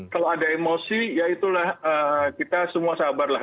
kalau ada emosi ya itulah kita semua sabarlah